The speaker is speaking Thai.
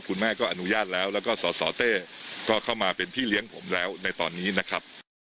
คุณแม่ก็อนุญาตแล้วแล้วก็สสเต้ก็เข้ามาเป็นพี่เลี้ยงผมแล้วในตอนนี้นะครับ